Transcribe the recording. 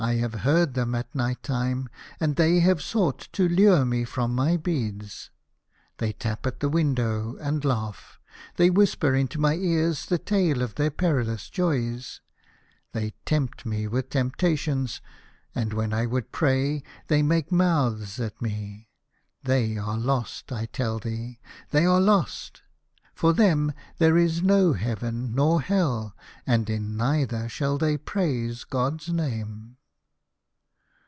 1 have heard them at night time, and they have sought to lure me from my beads. They tap at the window, and laugh. They whisper into my ears the tale of their perilous joys. They tempt me with tempta tions, and when I would pray they make mouths at me. They are lost, I tell thee, they are lost. For them there is no heaven nor hell, and in neither shall they praise God's name."